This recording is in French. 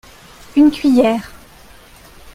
Une cuillère.